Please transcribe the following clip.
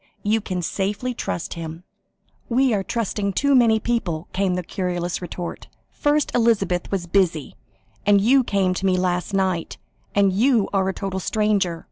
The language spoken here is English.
You can safely trust him." "We are trusting too many people," came the querulous retort. "First Elizabeth was busy, and you came to me last night, and you are a total stranger.